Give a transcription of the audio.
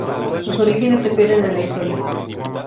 Sus orígenes se pierden en la historia.